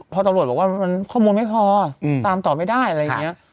พอตำรวจบอกว่ามันข้อมูลไม่พอตามต่อไม่ได้อะไรอย่างนี้